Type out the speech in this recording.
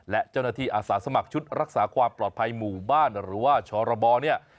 และเจ้าหน้าที่อาสาสมัครชุดรักษาความปลอดภัยหมู่บ้านหรือว่าชรบเนี่ย